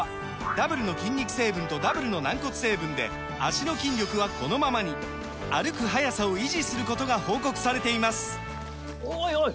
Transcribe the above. ダブルの筋肉成分とダブルの軟骨成分で脚の筋力はこのままに歩く速さを維持することが報告されていますおいおい！